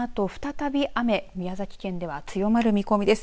このあと再び雨、宮崎県で強まる見込みです。